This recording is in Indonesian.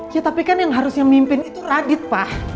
ya tapi kan yang harusnya mimpin itu radit pak